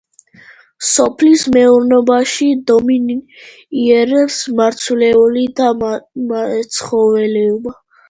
სოფლის მეურნეობაში დომინირებს მარცვლეული და მეცხოველეობა.